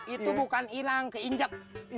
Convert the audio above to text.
itu bukan hilang keinjak